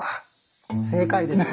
正解です。